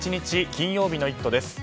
金曜日の「イット！」です。